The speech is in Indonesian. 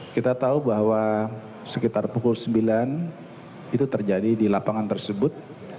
kita tahu bahwa sekitar pukul sembilan itu terjadi di lapangan tersebut